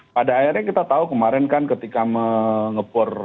pada akhirnya kita tahu kemarin kan ketika mengepur